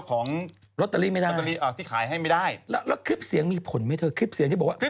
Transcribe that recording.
ขณะตอนอยู่ในสารนั้นไม่ได้พูดคุยกับครูปรีชาเลย